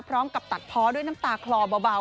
พร้อมกับตัดเพาะด้วยน้ำตาคลอเบา